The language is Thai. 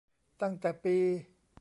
ตั้งแต่ปี